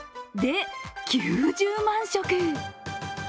で、９０万食。